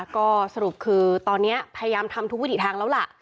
ก็สรุปคือตอนนี้พยายามทำทุกวิถีทางแล้วล่ะ